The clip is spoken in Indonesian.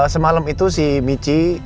semalam itu si michi